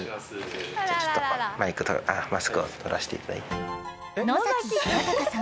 じゃあちょっとマスクを取らせていただいて。